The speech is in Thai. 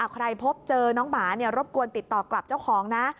พบเจอน้องหมารบกวนติดต่อกลับเจ้าของนะ